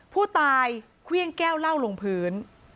ผู้ตายเครื่องแก้วเหล้าลงพื้น